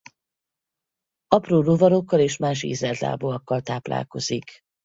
Apró rovarokkal és más ízeltlábúakkal táplálkozik.